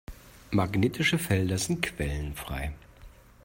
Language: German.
Magnetische Felder sind quellenfrei.